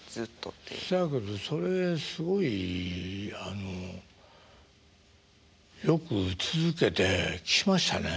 そやけどそれすごいあのよく続けてきましたね。